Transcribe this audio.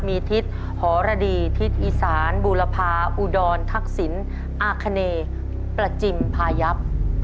มีทิศหรดีทิศอีสานบูรพาอุดรทักษิณอาคเนประจิมพายับ